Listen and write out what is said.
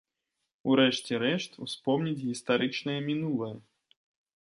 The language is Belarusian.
У рэшце рэшт, успомніць гістарычнае мінулае.